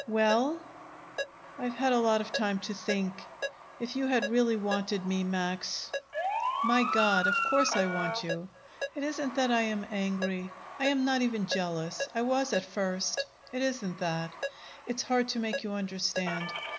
"Well?" "I've had a lot of time to think. If you had really wanted me, Max " "My God, of course I want you!" "It isn't that I am angry. I am not even jealous. I was at first. It isn't that. It's hard to make you understand.